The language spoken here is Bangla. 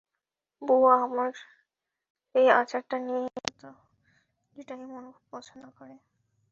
বুয়া আমের সেই আচারটা নিয়ে এসো তো, যেটা ইমন খুব পছন্দ করে।